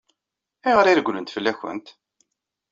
Ayɣer i regglent fell-akent?